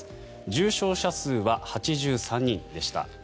重症者数は８３人でした。